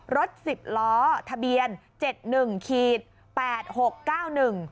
รถสิบล้อทะเบียนเจ็ดหนึ่งขีดแปดหกเก้าหนึ่ง